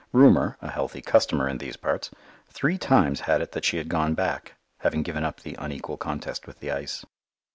Rumour, a healthy customer in these parts, three times had it that she had gone back, having given up the unequal contest with the ice.